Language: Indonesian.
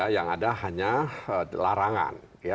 yang ada hanya larangan